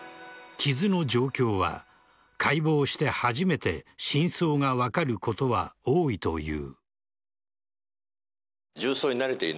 傷の状況は、解剖して初めて真相が分かることが多いという。